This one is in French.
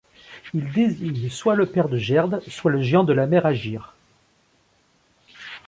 Il désigne soit le père de Gerd, soit le géant de la mer Ægir.